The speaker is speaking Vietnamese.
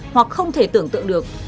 hoặc không thể tưởng tượng được